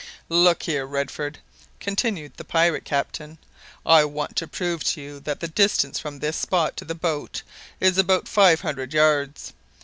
"Look here, Redford," continued the pirate captain. "I want to prove to you that the distance from this spot to the boat is about five hundred yards.